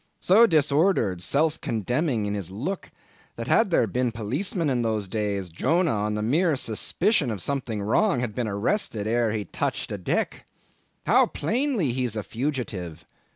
So disordered, self condemning is his look, that had there been policemen in those days, Jonah, on the mere suspicion of something wrong, had been arrested ere he touched a deck. How plainly he's a fugitive!